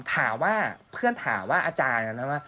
ถามว่าเพื่อนถามว่าอาจารย์ว่า